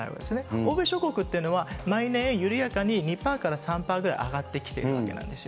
欧米諸国というのは毎年緩やかに２パーから３パーぐらい、上がってきているわけなんですよ。